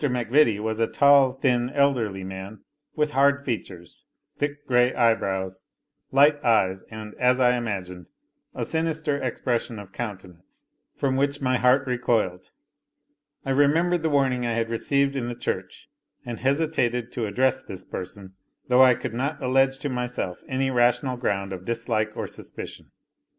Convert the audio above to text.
MacVittie was a tall, thin, elderly man, with hard features, thick grey eyebrows, light eyes, and, as I imagined, a sinister expression of countenance, from which my heart recoiled. I remembered the warning I had received in the church, and hesitated to address this person, though I could not allege to myself any rational ground of dislike or suspicion.